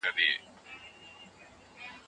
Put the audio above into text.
زدهکوونکي په ښوونځي کي د ژوند مهارتونه زده کوي.